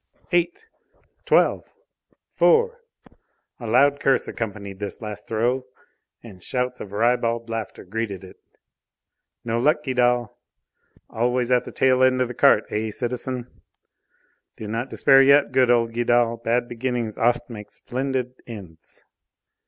"Twelve!" "Four!" A loud curse accompanied this last throw, and shouts of ribald laughter greeted it. "No luck, Guidal!" "Always at the tail end of the cart, eh, citizen?" "Do not despair yet, good old Guidal! Bad beginnings oft make splendid ends!"